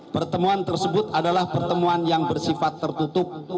pertemuan tersebut adalah pertemuan yang bersifat tertutup